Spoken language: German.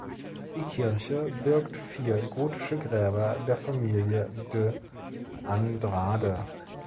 Die Kirche birgt vier gotische Gräber der Familie de Andrade.